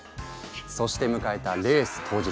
そして迎えたレース当日。